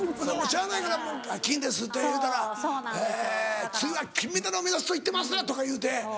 しゃあないからもう「金です」って言うたら「次は金メダルを目指すと言ってます」とか言うて。